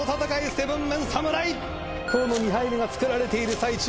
７ＭＥＮ侍２杯目が作られている最中